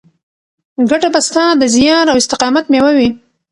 ګټه به ستا د زیار او استقامت مېوه وي.